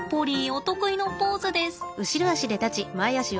お得意のポーズです。